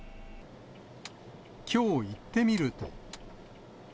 きょう、行ってみると。